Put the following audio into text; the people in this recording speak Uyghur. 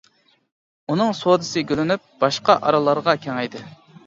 ئۇنىڭ سودىسى گۈللىنىپ، باشقا ئاراللارغا كېڭەيدى.